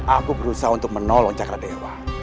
aku berusaha untuk menolong cakra dewa